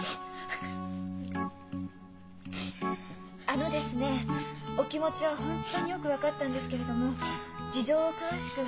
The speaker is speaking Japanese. あのですねお気持ちは本当によく分かったんですけれども事情を詳しく。